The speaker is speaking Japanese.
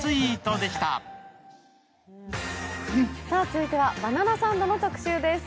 続いては「バナナサンド」の特集です。